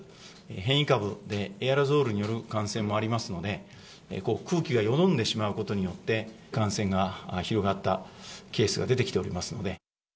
変異株でエアロゾルによる感染もありますので、空気がよどんでしまうことによって、感染が広がったケースが出てきておりますので。